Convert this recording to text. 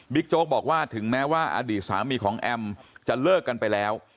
โจ๊กบอกว่าถึงแม้ว่าอดีตสามีของแอมจะเลิกกันไปแล้ว